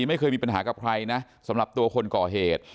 ไม่เคยมีปัญหากับใครนะสำหรับตัวคนก่อเหตุ